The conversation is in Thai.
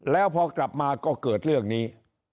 แล้วพอกลับมาก็เกิดเรื่องนี้